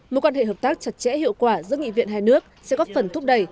mối quan hệ hợp tác chặt chẽ hiệu quả giữa nghị viện hai nước sẽ góp phần thúc đẩy